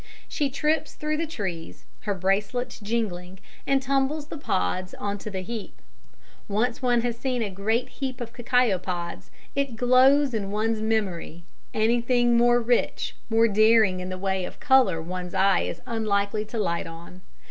She trips through the trees, her bracelets jingling, and tumbles the pods on to the heap. Once one has seen a great heap of cacao pods it glows in one's memory: anything more rich, more daring in the way of colour one's eye is unlikely to light on.